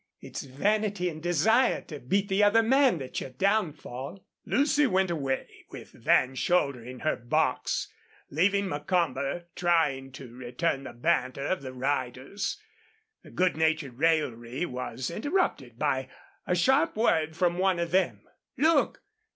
It's vanity and desire to beat the other man that's your downfall." Lucy went away, with Van shouldering her box, leaving Macomber trying to return the banter of the riders. The good natured raillery was interrupted by a sharp word from one of them. "Look!